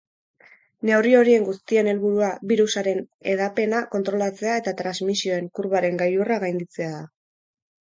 Neurri horien guztien helburua birusaren hedapena kontrolatzea eta transmisioen kurbaren gailurra gainditzea da.